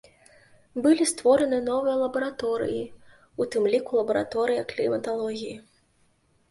Былі створаны новыя лабараторыі, у тым ліку лабараторыя кліматалогіі.